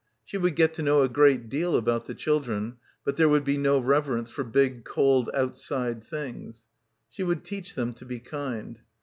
She would get to know a great deal about the chil dren, but there would be no reverence for big cold outside things. She would teach them to be kind.